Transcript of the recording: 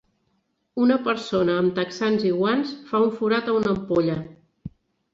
Una persona amb texans i guants fa un forat a una ampolla.